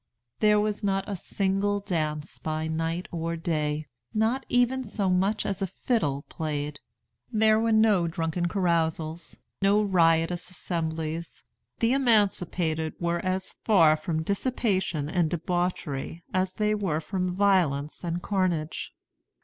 "There was not a single dance by night or day; not even so much as a fiddle played. There were no drunken carousals, no riotous assemblies. The emancipated were as far from dissipation and debauchery as they were from violence and carnage.